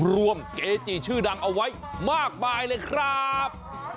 เกจิชื่อดังเอาไว้มากมายเลยครับ